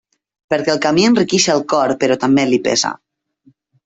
Perquè el camí enriqueix el cor però també li pesa.